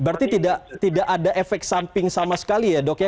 berarti tidak ada efek samping sama sekali ya dok ya